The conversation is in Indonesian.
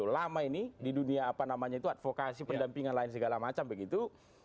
lama ini di dunia advokasi pendampingan lain segala macam begitu